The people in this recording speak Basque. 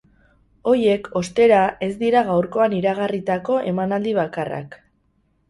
Horiek, ostera, ez dira gaurkoan iragarritako emanaldi bakarrak.